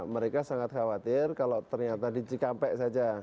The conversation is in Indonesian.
mereka sangat khawatir kalau ternyata di cikampek saja